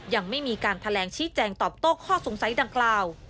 ยังไม่มีการแถลงชี้แจงตอบโต้ข้อสงสัยดังกล่าว